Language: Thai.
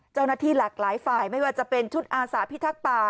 เจ้าหน้าที่หลากหลายฝ่ายไม่ว่าจะเป็นชุดอาสาพิทักษ์ป่า